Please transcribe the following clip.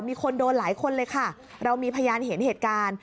มีคนโดนหลายคนเลยค่ะเรามีพยานเห็นเหตุการณ์